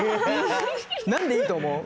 何でいいと思う？